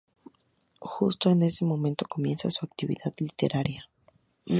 Justo en ese momento comienza su actividad literaria.